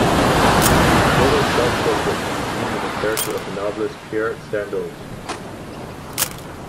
Zola's self-portrait can be seen in the character of the novelist Pierre Sandoz.